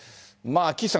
岸さん